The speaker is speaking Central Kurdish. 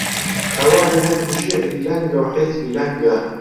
هەوای لەنگ و شیعری لەنگە و حیزبی لەنگە: